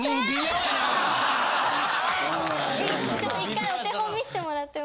ちょっと一回お手本見してもらっても。